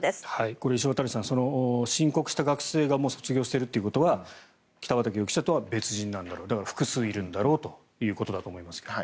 これ、石渡さん申告した学生がもう卒業しているということは北畠容疑者とは別人なんだろう複数いるんだろうということだと思いますが。